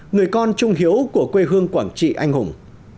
người con trung hiếu của quê hương quảng trị anh hùng